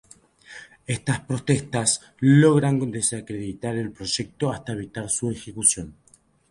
Estás protestas lograron desacreditar el proyecto hasta evitar su ejecución.